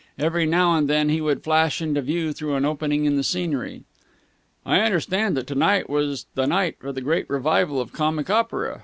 Every now and then he would flash into view through an opening in the scenery. "I understood that to night was the night for the great revival of comic opera.